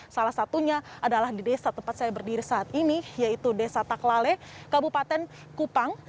salah satunya adalah di desa tempat saya berdiri saat ini yaitu desa taklale kabupaten kupang